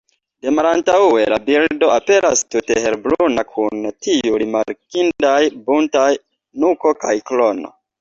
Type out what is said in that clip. De malantaŭe la birdo aperas tute helbruna kun tiu rimarkindaj buntaj nuko kaj krono.